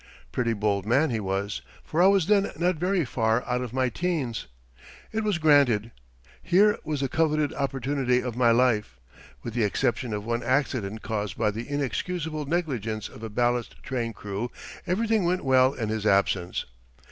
Pretty bold man he was, for I was then not very far out of my teens. It was granted. Here was the coveted opportunity of my life. With the exception of one accident caused by the inexcusable negligence of a ballast train crew, everything went well in his absence.